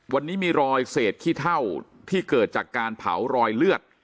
วันนี้มีรอยเศษขี้เท่าที่เกิดจากการเผารอยเลือด